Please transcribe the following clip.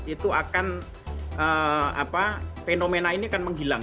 itu akan fenomena ini akan menghilang